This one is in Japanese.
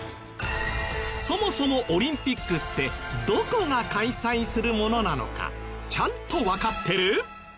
そもそもオリンピックってどこが開催するものなのかちゃんとわかってる？